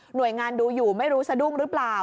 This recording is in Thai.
โดยงานดูอยู่ไม่รู้สะดุ้งหรือเปล่า